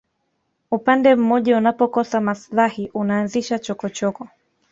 upande mmoja unapokosa maslahi unaanzisha chokochoko